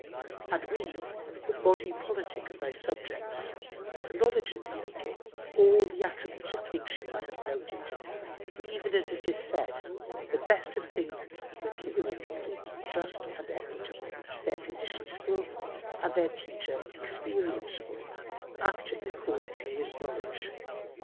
And we, the body politic of thy subjects, acknowledge in thee, O King, all the attributes of kingship I have noted, even as it is said, 'The best of things is that the King of a people be just and equitable, their physician skilful and their teacher experience full, acting according to his knowledge.'